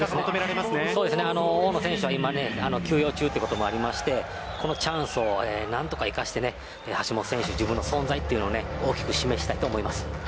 大野選手は今休養中ということもありましてこのチャンスを何とか生かして橋本選手自分の存在を大きく示したいと思います。